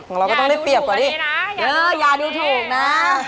ของเราก็ต้องได้เปรียบกว่ารี้ยาดูถุกเลยนะ